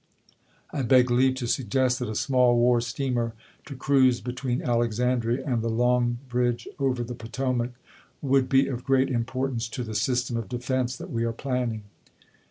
I beg leave to suggest that a small war steamer, to cruise between Alexandria and the Long Bridge over the Potomac, would be of great importance to the system MS. of defense that we are planning.